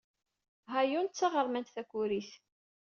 Ha-yoon d taɣermant takurit.